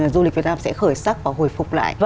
du lịch việt nam sẽ khởi sắc và hồi phục lại